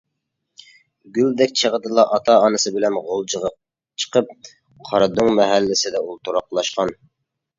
گۆدەك چېغىدىلا ئاتا-ئانىسى بىلەن غۇلجىغا چىقىپ، قارادۆڭ مەھەللىسىدە ئولتۇراقلاشقان.